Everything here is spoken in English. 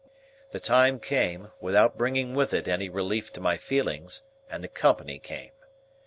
The time came, without bringing with it any relief to my feelings, and the company came.